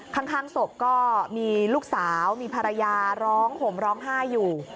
ข้างศพก็มีลูกสาวมีภรรยาร้องห่มร้องไห้อยู่